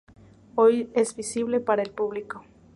Hoy es visible para el público.